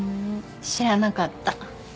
知らなかった。